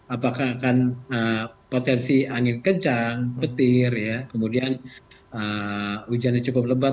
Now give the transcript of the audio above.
apakah akan potensi angin kencang petir kemudian hujannya cukup lebat